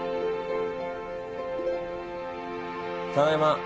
ただいま。